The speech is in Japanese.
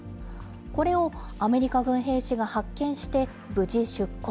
これをアメリカ軍兵士が発見して、無事出国。